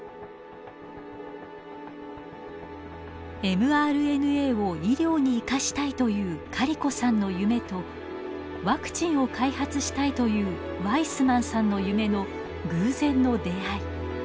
ｍＲＮＡを医療に生かしたいというカリコさんの夢とワクチンを開発したいというワイスマンさんの夢の偶然の出会い。